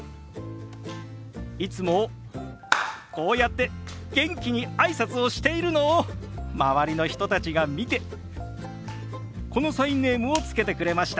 いつもこうやって元気に挨拶をしているのを周りの人たちが見てこのサインネームを付けてくれました。